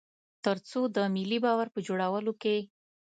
تر څو د ملي باور په جوړولو کې.